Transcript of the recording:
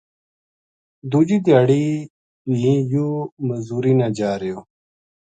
دوجی دھیاڑی بھی یوہ مزدوری نا جا رہیو